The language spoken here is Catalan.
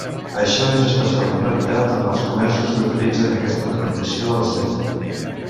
Això és especialment veritat en els comerços que utilitzen aquesta denominació a l'estranger.